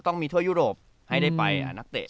ต้องมีทั่วยุโรปให้ได้ไปนักเตะ